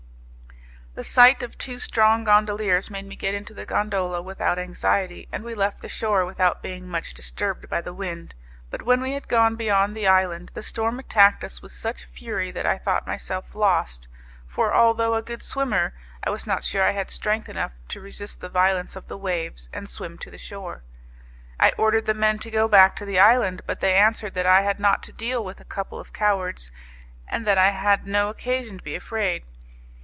The sight of two strong gondoliers made me get into the gondola without anxiety, and we left the shore without being much disturbed by the wind, but when we had gone beyond the island, the storm attacked us with such fury that I thought myself lost, for, although a good swimmer, I was not sure I had strength enough to resist the violence of the waves and swim to the shore. I ordered the men to go back to the island, but they answered that I had not to deal with a couple of cowards, and that I had no occasion to be afraid.